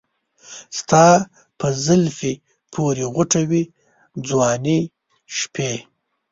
ستا په زلفې پورې غوټه وې ځواني شپې